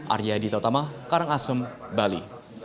arya adi tautamah karangasem bali